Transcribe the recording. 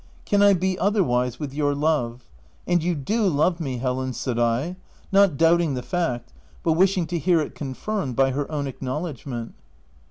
" Can I be otherwise, with your love ? And you do love me, Helen ?" said I, not doubting the fact, but wishing to hear it confirmed by her own acknowledgment.